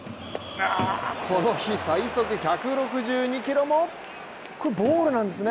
この日最速、１６２キロもこれ、ボールなんですね。